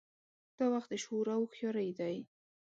دا وخت د شعور او هوښیارۍ دی.